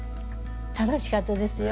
楽しかったですよ。